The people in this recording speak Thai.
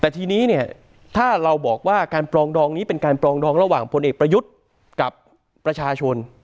แต่ทีนี้เนี่ยถ้าเราบอกว่าการปรองดองนี้เป็นการปรองดองระหว่างพลเอกประยุทธ์กับประชาชน